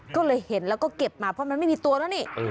ก็เลยเห็นแล้วก็เก็บมาเพราะมันไม่มีตัวแล้วนี่